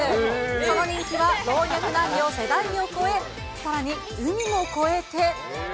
その人気は老若男女世代を超え、さらに海も越えて。